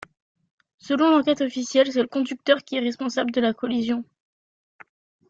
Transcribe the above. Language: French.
Selon l'enquête officielle c'est le conducteur qui est responsable de la collision.